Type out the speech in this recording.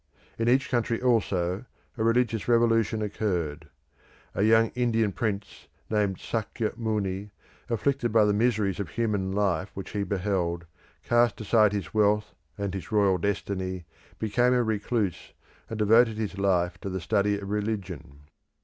In each country, also, a religious revolution occurred. A young Indian prince, named Sakya Muni, afflicted by the miseries of human life which he beheld, cast aside his wealth and his royal destiny, became a recluse, and devoted his life to the study of religion.